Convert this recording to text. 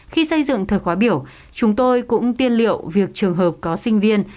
khi xây dựng thời khóa biểu chúng tôi cũng tiên liệu việc trường hợp có sinh viên